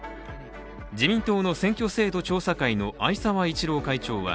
自民党の選挙制度調査会の逢沢一郎会長は